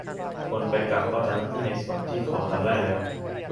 คนไปกักก็ทำหน้าที่ในส่วนที่เขาทำได้แล้ว